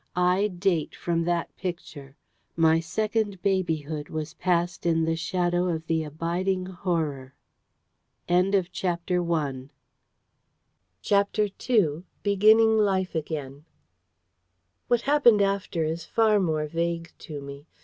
I date from that Picture. My second babyhood was passed in the shadow of the abiding Horror. CHAPTER II. BEGINNING LIFE AGAIN Wha happened after is far more vague to me.